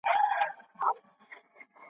شېبه شېبه تر زلمیتوبه خو چي نه تېرېدای .